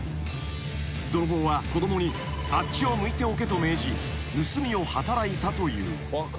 ［泥棒は子供に「あっちを向いておけ」と命じ盗みを働いたという］